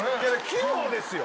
器用ですよ。